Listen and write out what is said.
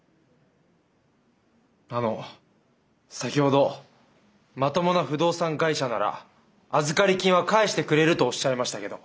あの先ほどまともな不動産会社なら預かり金は返してくれるとおっしゃいましたけど。